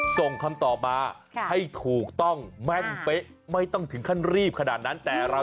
ส่งคำตอบมาให้ถูกต้องแม่งเฟะ